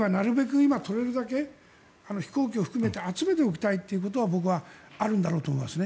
今、取れるだけ飛行機を含めて集めておきたいということは僕はあるんだと思いますね。